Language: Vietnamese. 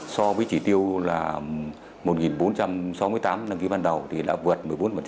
so với chỉ tiêu là một bốn trăm sáu mươi tám đăng ký ban đầu thì đã vượt một mươi bốn